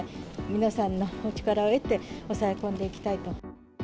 皆さんのお力を得て、抑え込んでいきたいと。